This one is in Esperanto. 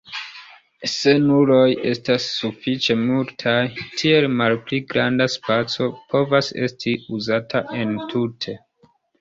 Se nuloj estas sufiĉe multaj, tiel la malpli granda spaco povas esti uzata entute.